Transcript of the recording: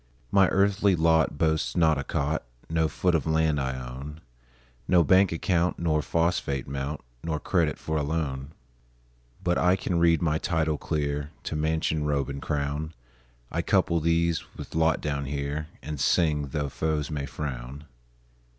My earthly lot boasts not a cot, No foot of land I own, No bank account nor phosphate mount, Nor credit for a loan; But I can read my title clear To mansion, robe, and crown; I couple these with lot down here, And sing, tho' foes may frown.